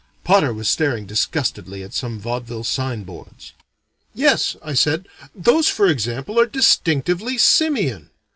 Potter was staring disgustedly at some vaudeville sign boards. "Yes," I said, "those for example are distinctively simian.